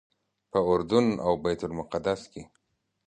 په اردن او بیت المقدس کې.